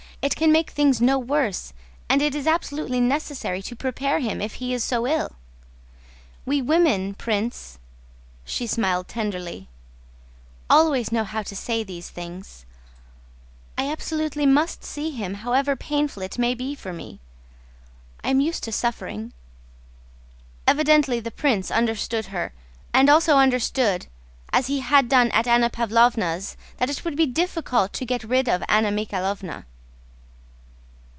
It can make things no worse, and it is absolutely necessary to prepare him if he is so ill. We women, Prince," and she smiled tenderly, "always know how to say these things. I absolutely must see him, however painful it may be for me. I am used to suffering." Evidently the prince understood her, and also understood, as he had done at Anna Pávlovna's, that it would be difficult to get rid of Anna Mikháylovna.